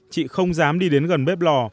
chị không dám đi đến gần bếp lò